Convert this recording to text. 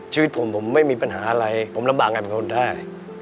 ชีวิตผมผมไม่มีปัญหาอะไรผมลำบากกันเป็นคนได้